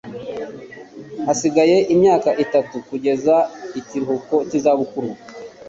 Hasigaye imyaka itatu kugeza ikiruhuko cy'izabukuru.